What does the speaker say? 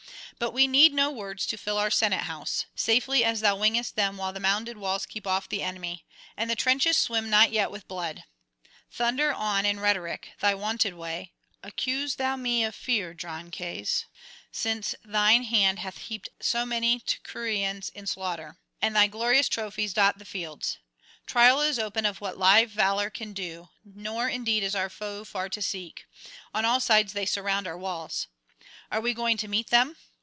But we need no words to fill our senate house, safely as thou wingest them while the mounded walls keep off the enemy, and the trenches swim not yet with blood. Thunder on in rhetoric, thy wonted way: accuse thou me of fear, Drances, since thine hand hath heaped so many Teucrians in slaughter, and thy glorious trophies dot the fields. Trial is open of what live valour can do; nor indeed is our foe far to seek; on all sides they surround our walls. Are we going to meet them?